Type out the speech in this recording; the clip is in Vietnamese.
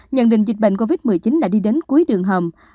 nhận định dịch bệnh covid một mươi chín đã đi đến cuối đường hầm